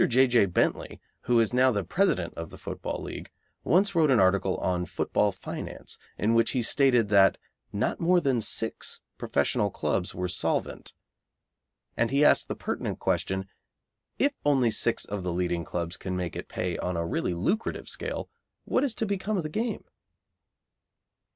J. J. Bentley, who is now the President of the Football League, once wrote an article on "Football Finance," in which he stated that "not more than six professional clubs were solvent," and he asked the pertinent question: "If only six of the leading clubs can make it pay on a really lucrative scale, what is to become of the game?"